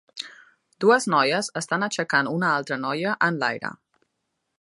Dues noies estan aixecant una altra noia en l'aire